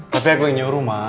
tapi aku yang nyuruh ma